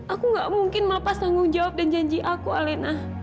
aku gak mungkin melepas tanggung jawab dan janji aku alina